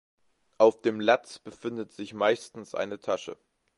Auf dem Latz befindet sich meistens eine Tasche.